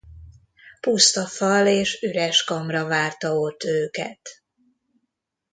Puszta fal és üres kamra várta ott őket.